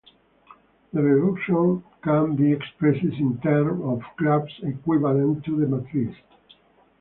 The reduction can be expressed in terms of graphs equivalent to the matrices.